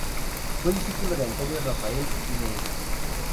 Fue discípulo de Antonio Rafael Mengs.